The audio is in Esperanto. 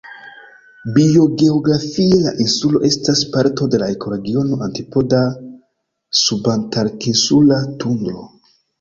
Biogeografie la insularo estas parto de la ekoregiono "antipoda-subantarktinsula tundro".